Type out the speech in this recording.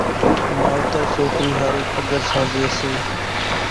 ماوتر سوڪرِي ۿارُو پڳرسان لئي سي،